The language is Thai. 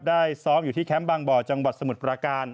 ซ้อมอยู่ที่แคมป์บางบ่อจังหวัดสมุทรปราการ